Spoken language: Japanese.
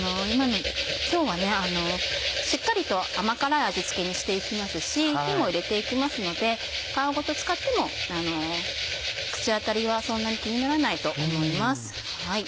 今日はしっかりと甘辛い味付けにしていきますし火も入れていきますので皮ごと使っても口当たりはそんなに気にならないと思います。